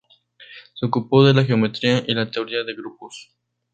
Se ocupó de la geometría y la teoría de grupos.